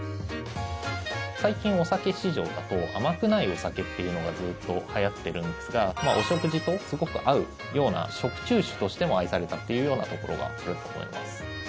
最近、お酒市場だと甘くないお酒というのがずっとはやっているんですがお食事とすごく合うような食中酒としても愛されたというようなところがあると思います。